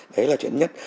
đấy là chuyện nhất